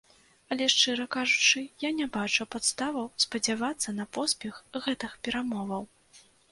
Але, шчыра кажучы, я не бачу падставаў спадзявацца на поспех гэтых перамоваў.